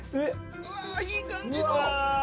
うわいい感じの。